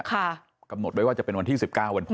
กำหนดไว้ว่าจะเป็นวันที่๑๙วันพุ